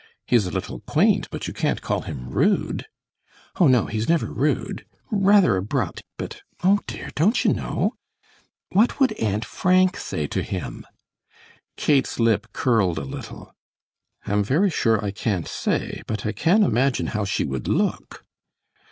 He is a little quaint, but you can't call him rude." "Oh, no, he's never rude; rather abrupt, but oh, dear, don't you know? What would Aunt Frank say to him?" Kate's lip curled a little. "I'm very sure I can't say, but I can imagine how she would look."